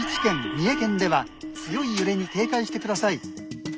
三重県では強い揺れに警戒してください」。